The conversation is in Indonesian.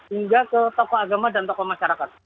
hingga ke tokoh agama dan tokoh masyarakat